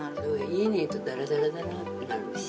家にいるとダラダラダラってなるし。